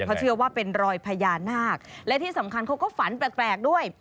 เขาเชื่อว่าเป็นรอยพญานาคและที่สำคัญเขาก็ฝันแปลกด้วย